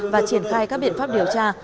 và triển khai các biện pháp điều tra